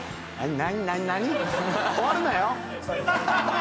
何？